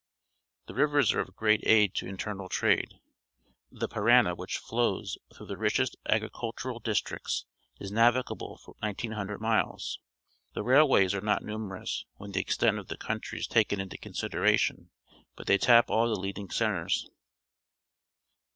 The rivers are of great aid to internal trade. The ^arami^ which flows through the richest agricultural districts, is na\d gable for 1900 miles. The railways are not numerous when the extent of the country is taken into consideration, but they tap all the leading centres.